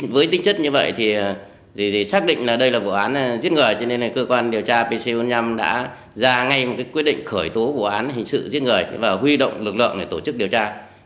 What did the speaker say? với tính chất như vậy thì xác định là đây là vụ án giết người cho nên cơ quan điều tra pc bốn mươi năm đã ra ngay một quyết định khởi tố vụ án hình sự giết người và huy động lực lượng để tổ chức điều tra